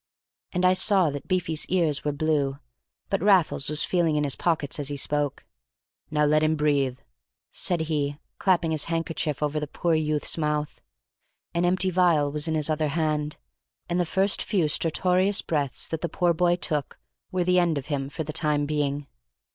And I saw that Beefy's ears were blue; but Raffles was feeling in his pockets as he spoke. "Now let him breathe," said he, clapping his handkerchief over the poor youth's mouth. An empty vial was in his other hand, and the first few stertorous breaths that the poor boy took were the end of him for the time being.